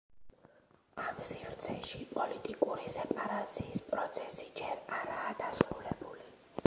ამ სივრცეში პოლიტიკური სეპარაციის პროცესი ჯერ არაა დასრულებული.